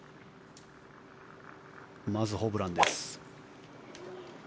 まずホブランです。